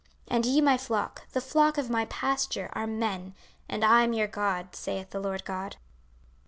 26:034:031 And ye my flock, the flock of my pasture, are men, and I am your God, saith the Lord GOD.